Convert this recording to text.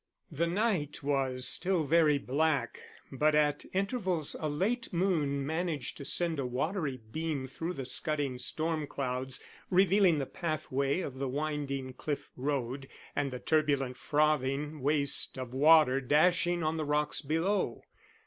The night was still very black, but at intervals a late moon managed to send a watery beam through the scudding storm clouds, revealing the pathway of the winding cliff road, and the turbulent frothing waste of water dashing on the rocks below.